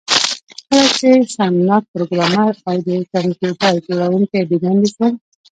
کله چې شرمناک پروګرامر او د کمپیوټر جوړونکی بې دندې شول